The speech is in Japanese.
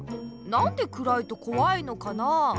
なんでくらいとこわいのかなあ？